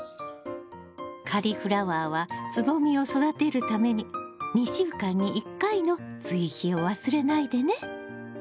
カリフラワーはつぼみを育てるために２週間に１回の追肥を忘れないでね！